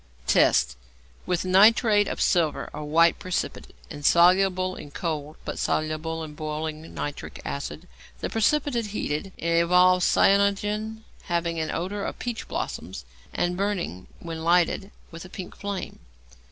Tests. With nitrate of silver a white precipitate, insoluble in cold, but soluble in boiling, nitric acid. The precipitate heated, evolves cyanogen, having an odour of peach blossoms, and burning, when lighted, with a pink flame.